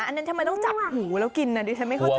อันนั้นทำไมต้องจับหูแล้วกินนะดิฉันไม่เข้าใจ